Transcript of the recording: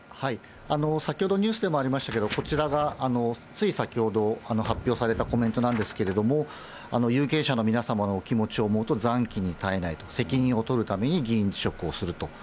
先ほどニュースでもありましたけど、こちらがつい先ほど、発表されたコメントなんですけれども、有権者の皆様のお気持ちを思うとざんきに堪えないと、責任を取るために議員辞職をすると。